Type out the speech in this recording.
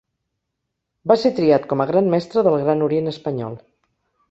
Va ser triat com a Gran Mestre del Gran Orient Espanyol.